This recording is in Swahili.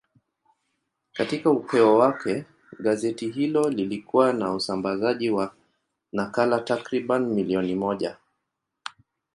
Katika upeo wake, gazeti hilo lilikuwa na usambazaji wa nakala takriban milioni moja.